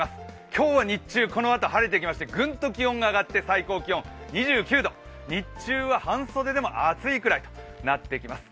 今日は日中このあと晴れてきてグンと気温が上がって、最高気温２９度、日中は半袖でも暑いくらいとなってきます。